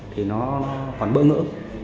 thì nó còn bỡ ngỡ